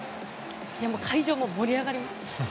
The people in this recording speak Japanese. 会場も盛り上がります！